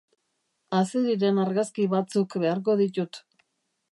Azeriren argazki batzuk beharko ditut.